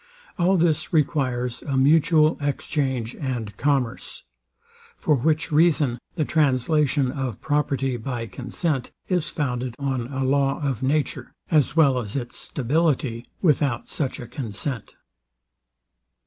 All this requires a mutual exchange and commerce; for which reason the translation of property by consent is founded on a law of nature, as well as its stability without such a consent.